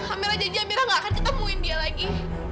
amirah janji amirah gak akan ketemuin dia lagi